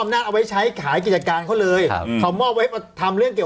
นาจเอาไว้ใช้ขายกิจการเขาเลยครับเขามอบไว้ทำเรื่องเกี่ยว